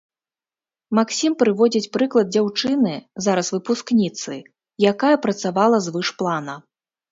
Максім прыводзіць прыклад дзяўчыны, зараз выпускніцы, якая працавала звыш плана.